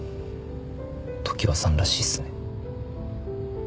常葉さんらしいっすね。